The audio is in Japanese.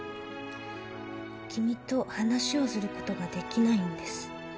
「君と話をすることができないんです」